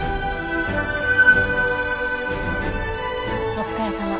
お疲れさま。